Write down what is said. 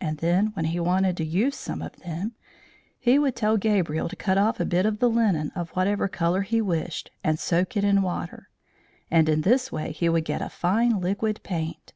And then when he wanted to use some of them, he would tell Gabriel to cut off a bit of the linen of whatever colour he wished, and soak it in water, and in this way he would get a fine liquid paint.